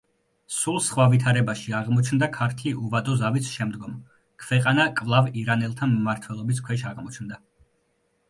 სულ სხვა ვითარებაში აღმოჩნდა ქართლი უვადო ზავის შემდგომ, ქვეყანა კვლავ ირანელთა მმართველობის ქვეშ აღმოჩნდა.